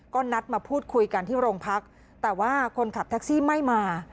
ก็นัดมาพูดคุยกันที่โรงพักแต่ว่าคนขับแท็กซี่ไม่มา